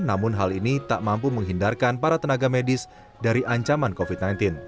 namun hal ini tak mampu menghindarkan para tenaga medis dari ancaman covid sembilan belas